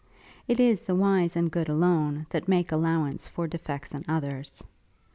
It is the wise and good alone that make allowance for defects in others.